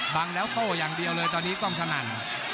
บังแล้วโต้อย่างเดียวเลยตอนนี้กล้องสนั่น